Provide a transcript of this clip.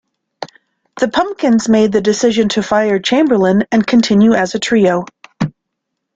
The Pumpkins made the decision to fire Chamberlin and continue as a trio.